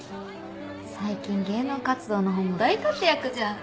最近芸能活動の方も大活躍じゃん。